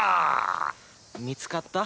見つかった？